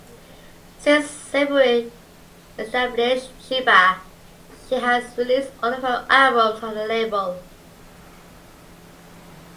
Since Siberry established Sheeba, she has released all of her albums on the label.